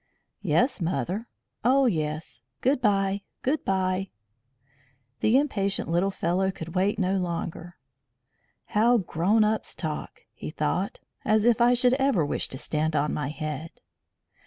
"Yes, mother. Oh, yes. Good bye. Good bye." The impatient little fellow could wait no longer. "How grown ups talk!" he thought. "As if I should ever wish to stand on my head!"